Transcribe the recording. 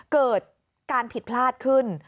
เกิดการผิดพลาดขึ้น